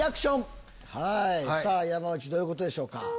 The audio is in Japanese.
山内どういうことでしょうか？